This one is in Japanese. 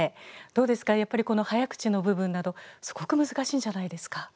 どうですかやっぱりこの早口の部分などすごく難しいんじゃないですか？